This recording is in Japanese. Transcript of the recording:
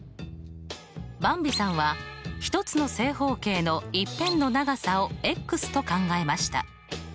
ばんびさんは１つの正方形の１辺の長さをと考えました。